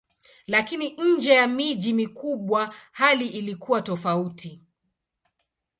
Lakini nje ya miji mikubwa hali ilikuwa tofauti.